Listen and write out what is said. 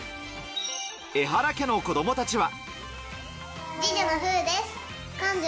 エハラ家の子供たちは。